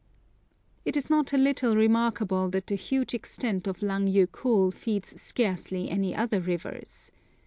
It is not a little remarkable that the huge extent of Lang Jokull feeds scarcely any other rivers.